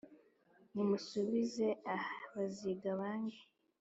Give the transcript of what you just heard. nimusubize aha baziga bange